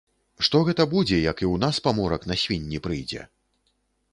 Што гэта будзе, як і ў нас паморак на свінні прыйдзе.